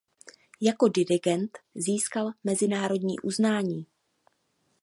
Jako dirigent získal mezinárodní uznání.